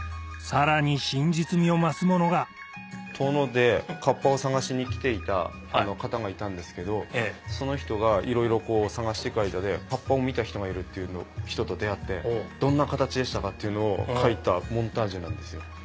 さらに真実味を増すものが遠野で河童を探しに来ていた方がいたんですけどその人がいろいろ探していく間で河童を見た人がいるっていう人と出会って「どんな形でしたか？」っていうのを描いたモンタージュなんですよ。